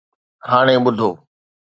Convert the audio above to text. هاڻي ٻڌو.